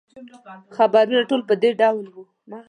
خبرونه ټول په دې ډول وو.